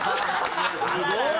すごい！